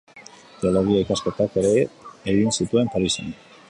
Teologia ikasketak egin zituen Parisen.